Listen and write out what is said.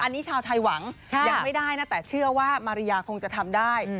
อันนี้ชาวไทยหวังยังไม่ได้นะแต่เชื่อว่ามาริยาคงจะทำได้